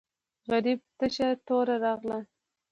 غریبه تشه توره راغله.